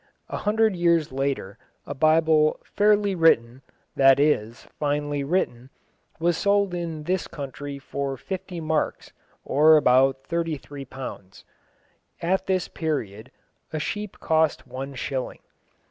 A hundred years later a Bible "fairly written," that is, finely written, was sold in this country for fifty marks, or about £33. At this period a sheep cost one shilling.